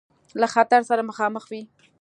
له خطر سره مخامخ وي.